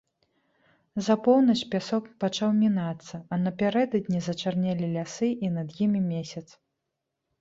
За поўнач пясок пачаў мінацца, а напярэдадні зачарнелі лясы і над імі месяц.